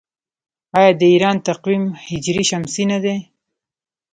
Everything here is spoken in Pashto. آیا د ایران تقویم هجري شمسي نه دی؟